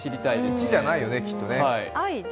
１じゃないよね、きっとね。